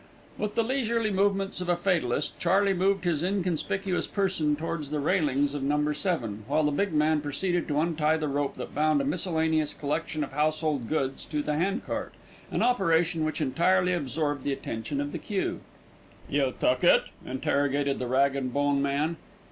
With the leisurely movements of a fatalist, Charley moved his inconspicuous person towards the railings of No. 7, while the big man proceeded to untie the rope that bound a miscellaneous collection of household goods to the hand cart, an operation which entirely absorbed the attention of the queue. "You took it?" interrogated the rag and bone man.